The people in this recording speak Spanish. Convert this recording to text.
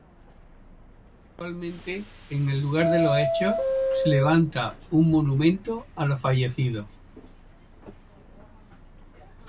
Actualmente, en el lugar de los hechos, se levanta un monumento a los fallecidos.